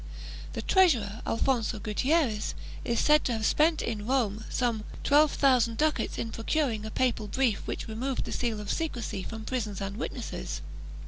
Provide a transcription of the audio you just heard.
The treasurer, Alfonso Gutierrez, is said to have spent in Rome some twelve thousand ducats in procuring a papal brief which removed the seal of secrecy from prisons and witnesses.